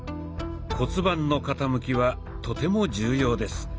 骨盤の傾きはとても重要です。